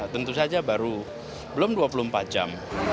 tentu saja baru belum dua puluh empat jam